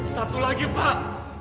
satu lagi pak